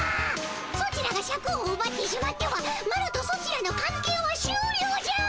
ソチらがシャクをうばってしまってはマロとソチらのかん係はしゅうりょうじゃ！